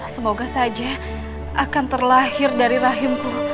semoga saja akan terlahir dari rahimku